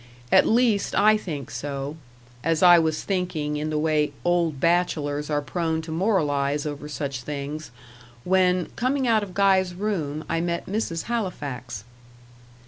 At least, I think so; as I was thinking, in the way old bachelors are prone to moralize over such things, when, coming out of Guy's room, I met Mrs. Halifax.